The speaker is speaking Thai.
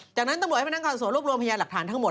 จากนั้นต้องบอกให้เขานั่งความสะสมรวบรวมพิญญาณหลักฐานทั้งหมด